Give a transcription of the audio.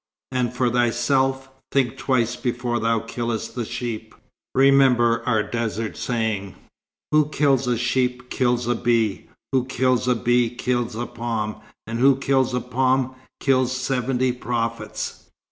"And for thyself, think twice before thou killest the sheep. Remember our desert saying. 'Who kills a sheep, kills a bee. Who kills a bee, kills a palm, and who kills a palm, kills seventy prophets.'"